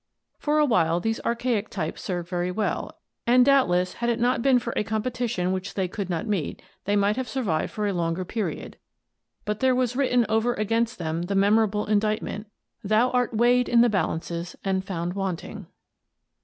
For a while these archaic types served very well, and doubtless had it not been for a competition which they could not meet, they might have survived for a longer period; but there was written over against them the memorable indictment — "Thou art weighed in the balances and found wanting."